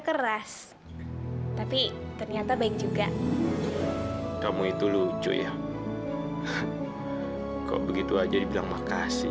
keras tapi ternyata baik juga kamu itu lucu ya kok begitu aja dibilang makasih